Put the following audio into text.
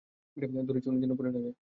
ধরেছি, উনি যেন পড়ে না যায়!